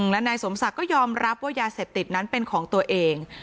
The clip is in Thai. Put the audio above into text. และนายสมศักดิ์ก็ยอมรับว่ายาเสพติดนั้นเป็นของตัวเอง